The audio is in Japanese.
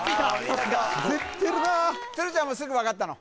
さすが鶴ちゃんもすぐ分かったの？